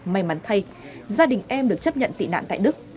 may mắn thay gia đình em được chấp nhận tị nạn tại đức